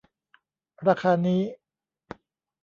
ราคานี้